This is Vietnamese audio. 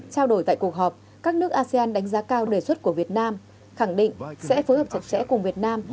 trao đổi tại cuộc họp các nước asean đánh giá cao đề xuất của việt nam khẳng định sẽ phối hợp chặt chẽ cùng việt nam